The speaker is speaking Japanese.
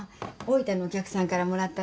大分のお客さんからもらったの。